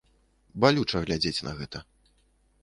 Балюча глядзець на гэта.